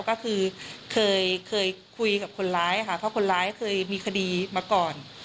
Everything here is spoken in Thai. ก็คือเคยคุยกับคนร้ายค่ะเพราะคนร้ายเคยมีคดีมาก่อน